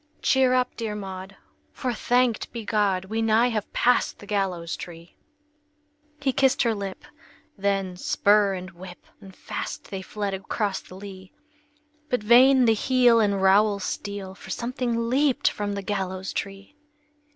"Cheer up, dear Maud, for, thanked be God, We nigh have passed the gallows tree!" He kissed her lip; then spur and whip! And fast they fled across the lea! But vain the heel and rowel steel, For something leaped from the gallows tree!